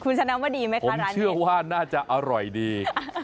คุณชนะว่าดีมั้ยค่ะร้านนี้ผมเชื่อว่าน่าจะอร่อยดี